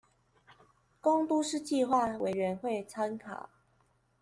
供都市計畫委員會參考